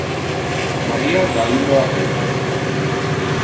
Maria da illo a Peter.